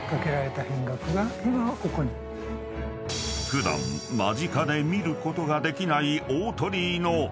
［普段間近で見ることができない］